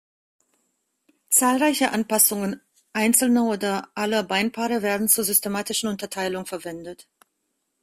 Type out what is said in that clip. Zahlreiche Anpassungen einzelner oder aller Beinpaare werden zur systematischen Unterteilung verwendet.